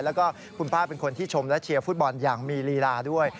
แล้วก็คุณป้าเป็นคนที่ชมและเชียร์ฟุตบอลอย่างมีลีลาด้วย